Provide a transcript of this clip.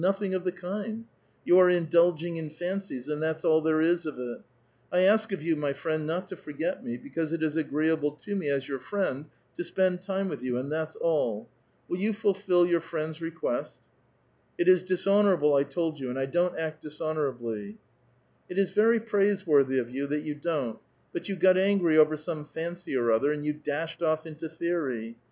nothing of the kind ! You are indulging in fancies, and that's aU there is of it. I ask of you, my friend, not to forget me, because it is agree able to me, as your friend, to spend time with you, and that's all. Will you fulfil your friend's request?" " It is dishonorable, I told vou, and I don't act dishonor ablv." " It is very praiseworthy of you that you don't ; but you got angry over some fancy or other, and you dashed off into theory.